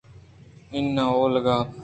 اناں اولگا